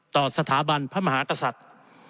ต่อสถาบันพระมหากษัตริย์